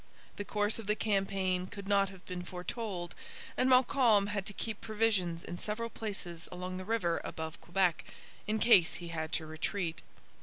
The course of the campaign could not have been foretold; and Montcalm had to keep provisions in several places along the river above Quebec, in case he had to retreat.